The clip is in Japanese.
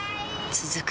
続く